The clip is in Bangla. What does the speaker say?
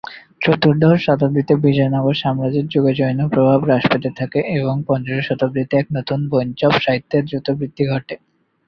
চতুর্দশ শতাব্দীতে বিজয়নগর সাম্রাজ্যের যুগে জৈন প্রভাব হ্রাস পেতে থাকে এবং পঞ্চদশ শতাব্দীতে এক নতুন বৈষ্ণব সাহিত্যের দ্রুত বৃদ্ধি ঘটে।